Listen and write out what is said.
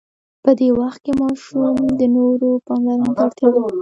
په دې وخت کې ماشوم د نورو پاملرنې ته اړتیا لري.